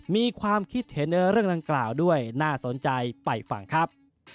มีความคิดเห็นในเรื่องดังกล่าวด้วยน่าสนใจไปฟังครับ